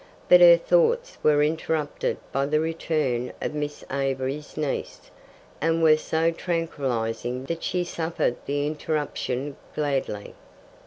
But her thoughts were interrupted by the return of Miss Avery's niece, and were so tranquillizing that she suffered the interruption gladly.